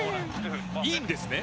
いいんですね？